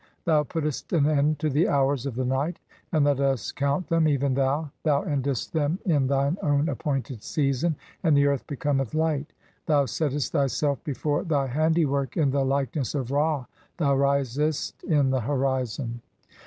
Thou (23) puttest an end to the hours "of the night, and thou dost count them, even thou ; thou endest "them in thine own appointed season, and the earth becometh "light. (24) Thou settest thyself before thy handiwork in the "likeness of Ra ; thou risest in the horizon."